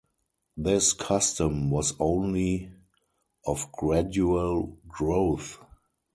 This custom was only of gradual growth.